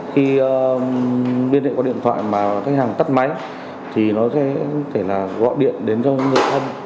khi biên hệ có điện thoại mà khách hàng tắt máy thì nó sẽ gọi điện đến cho người thân